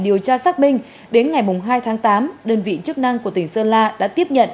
điều tra xác minh đến ngày hai tháng tám đơn vị chức năng của tỉnh sơn la đã tiếp nhận